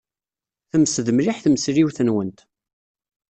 Temsed mliḥ tmesliwt-nwent.